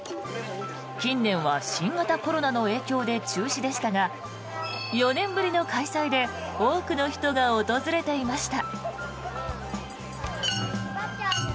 近年は新型コロナの影響で中止でしたが４年ぶりの開催で多くの人が訪れていました。